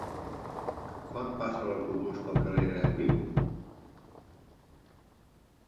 Quan passa l'autobús pel carrer Greenwich?